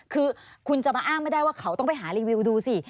คือคุณจะมาอ้างไม่ได้ว่าเขาต้องไปหารีวิวดูสิ